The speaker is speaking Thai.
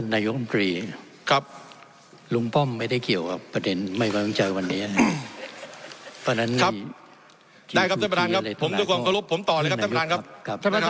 มันวุ่นวายไปหมดเนี้ยผมขอประทรวงครับประเด็นอยู่ที่ว่าเราอภิปราณไม่ต้องใจใครนะครับ